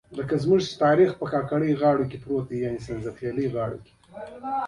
او پۀ بې خيالۍ کښې ملا ډېره کږه کړي ـ